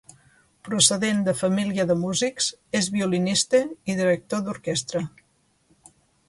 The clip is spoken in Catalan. Procedent de família de músics, és violinista i director d’orquestra.